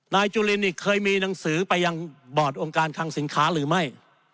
จุลินนี่เคยมีหนังสือไปยังบอร์ดองค์การคังสินค้าหรือไม่